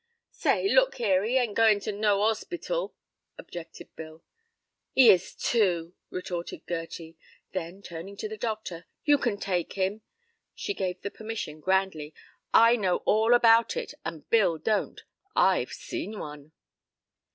"Say, look here, he ain't goin' to no 'orspital," objected Bill. "He is, too," retorted Gerty; then turning to the doctor, "You can take him." She gave the permission grandly. "I know all about it and Bill don't. I've seen one."